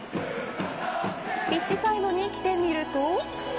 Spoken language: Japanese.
ピッチサイドに来てみると。